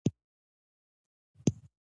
هر مورخ د خپل دین او سلیقې سره تاریخ لیکلی دی.